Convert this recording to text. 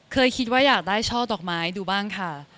เคยคิดว่าอยากได้ช่อดอกไม้ดูบ้างค่ะ